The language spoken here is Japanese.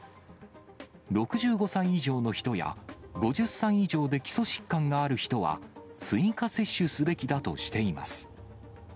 ６５歳以上の人や、５０歳以上で基礎疾患がある人は、追加接種すべきだとしています。